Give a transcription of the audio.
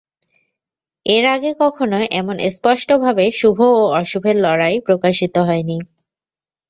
এর আগে কখনো এমন স্পষ্টভাবে শুভ ও অশুভের লড়াই প্রকাশিত হয়নি।